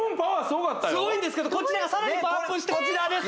すごいんですけどこちらがさらにパワーアップしてこちらです！